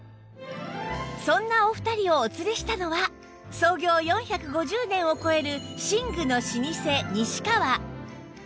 そんなお二人をお連れしたのは創業４５０年を超える寝具の老舗西川